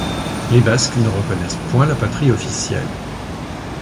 Les basques ne reconnaissent point la patrie officielle.